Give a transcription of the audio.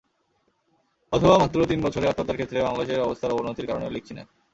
অথবা মাত্র তিন বছরে আত্মহত্যার ক্ষেত্রে বাংলাদেশের অবস্থার অবনতির কারণেও লিখছি না।